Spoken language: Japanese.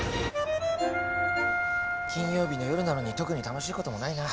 金曜日の夜なのに特に楽しいこともないな。